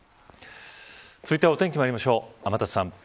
続いてはお天気まいりましょう。